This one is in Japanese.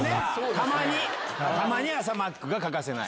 たまに朝マックが欠かせない。